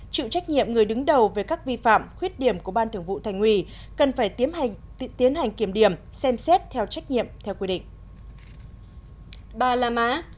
chịu trách nhiệm người đứng đầu về các vi phạm khuyết điểm của ban thường vụ thành ủy cần phải tiến hành kiểm điểm xem xét theo trách nhiệm theo quy định